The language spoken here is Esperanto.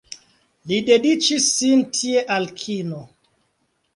Li dediĉis sin tie al kino.